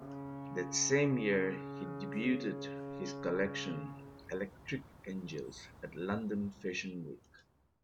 That same year, he debuted his collection 'Electric Angels' at London Fashion Week.